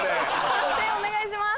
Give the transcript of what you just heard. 判定お願いします。